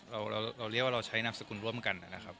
เราเรียกว่าเราใช้นามสกุลร่วมกันนะครับ